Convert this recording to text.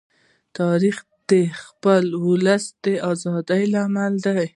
تاریخ د خپل ولس د ازادۍ لامل دی.